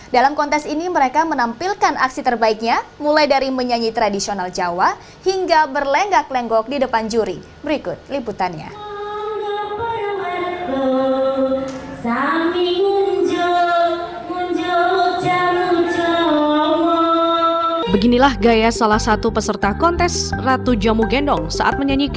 dalam kontes ini mereka menampilkan aksi terbaiknya mulai dari menyanyi tradisional jawa hingga berlenggak lenggok di depan juri berikut liputannya